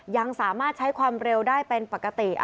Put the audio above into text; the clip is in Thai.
ยังสามารถใช้ความเร็วได้เป็นปกติ